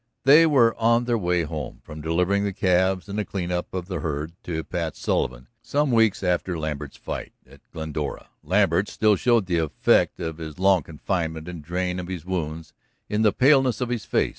They were on their way home from delivering the calves and the clean up of the herd to Pat Sullivan, some weeks after Lambert's fight at Glendora. Lambert still showed the effects of his long confinement and drain of his wounds in the paleness of his face.